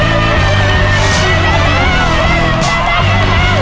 เอาแล้วเช็บของเลยครับ